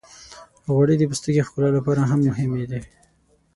غوړې د پوستکي د ښکلا لپاره هم مهمې دي.